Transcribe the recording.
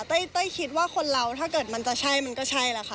เต้ยคิดว่าคนเราถ้าเกิดมันจะใช่มันก็ใช่แหละค่ะ